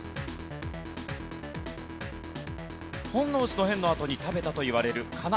本能寺の変のあとに食べたといわれるかな